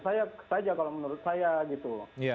saya saja kalau menurut saya gitu loh